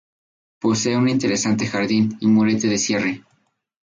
Posee un interesante jardín y murete de cierre.